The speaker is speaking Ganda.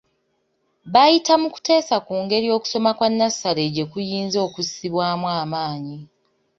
Bayita mu kuteesa ku ngeri okusoma kwa nnassale gye kuyinza okussibwamu amaanyi.